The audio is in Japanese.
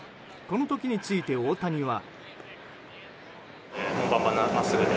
この時について大谷は。